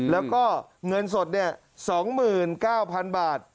แล้วก็เงินสด๒๙๐๐๐บาท